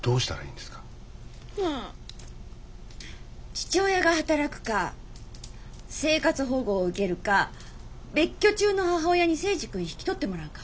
父親が働くか生活保護を受けるか別居中の母親に征二君引き取ってもらうか。